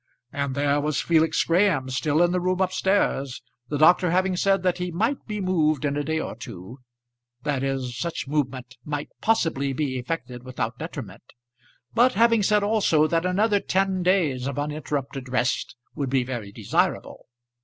And there was Felix Graham still in the room up stairs, the doctor having said that he might be moved in a day or two; that is, such movement might possibly be effected without detriment; but having said also that another ten days of uninterrupted rest would be very desirable.